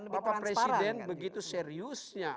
bapak presiden begitu seriusnya